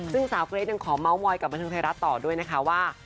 ซึ่งสาวเกรทยังขอเม้ามอยกับบันเทิงไทยรัฐต่อด้วยนะคะว่า